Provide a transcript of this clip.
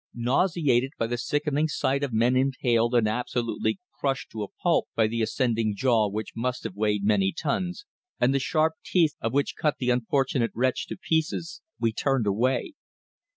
Nauseated by the sickening sight of men impaled and absolutely crushed to a pulp by the ascending jaw which must have weighed many tons, and the sharp teeth of which cut the unfortunate wretch to pieces, we turned away.